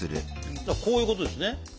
こういうことですね。